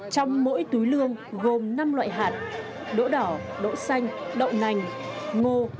trong mỗi túi lương gồm năm loại hạt đỗ đỏ đỗ xanh đậu nành ngô